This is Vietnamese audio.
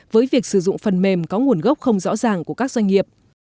với việc sử dụng phần mềm có nguồn gốc không rõ ràng của các doanh nghiệp